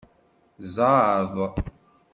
Zɛeḍ.